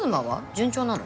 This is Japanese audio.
順調なの？